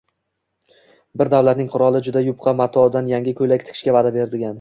Bir davlatning qiroli juda yupqa matodan yangi ko‘ylak tikishga va’da bergan